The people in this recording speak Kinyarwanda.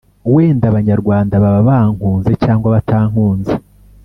wenda Abanyarwanda baba bankunze cyangwa batankunze